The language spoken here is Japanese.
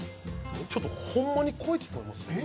ちょっとほんまに声聞こえますよ